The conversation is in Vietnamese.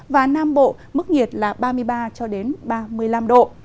và nam bộ mức nhiệt là ba mươi ba ba mươi năm độ